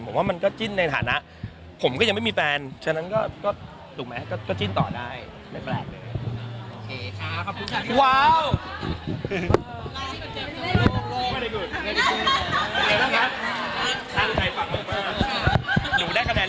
ผมว่ามันก็จิ้นในฐานะผมก็ยังไม่มีแฟนฉะนั้นก็ถูกไหมก็จิ้นต่อได้ไม่แปลกเลย